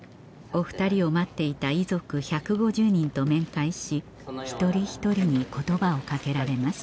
お２人を待っていた遺族１５０人と面会し一人一人に言葉を掛けられます